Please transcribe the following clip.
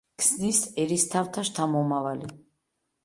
ქსნის ერისთავთა შთამომავალი.